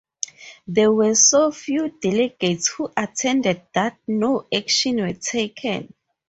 There were so few delegates who attended that no actions were taken.